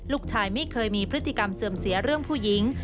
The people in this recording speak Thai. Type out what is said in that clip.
ลูกชายไม่เคยมีพฤติกรรมเสื่อมเสียเรื่องผู้หญิง